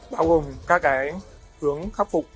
bao gồm các cái hướng khắc phục